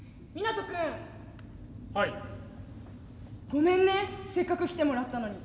ごめんねせっかく来てもらったのに。